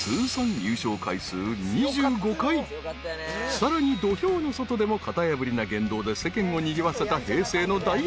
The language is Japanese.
［さらに土俵の外でも型破りな言動で世間をにぎわせた平成の大横綱］